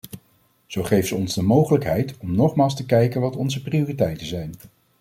Zo geeft ze ons de mogelijkheid om nogmaals te kijken wat onze prioriteiten zijn.